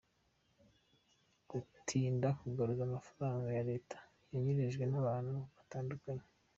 Gutinda kugaruza amafaranga ya leta yanyerejwe n’abantu batandukanye .